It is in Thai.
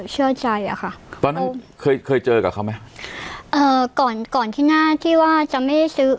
เชื่อใจอ่ะค่ะตอนนั้นเคยเคยเจอกับเขาไหมเอ่อก่อนก่อนที่หน้าที่ว่าจะไม่ได้ซื้อ